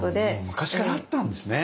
昔からあったんですね。